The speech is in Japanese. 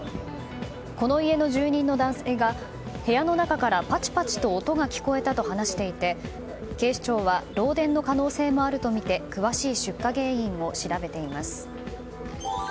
この家の住人の男性が部屋の中から、パチパチと音が聞こえたと話していて警視庁は漏電の可能性もあるとみて詳しい出火原因を調べています。